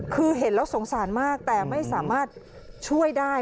คือเห็นแล้วสงสารมากแต่ไม่สามารถช่วยได้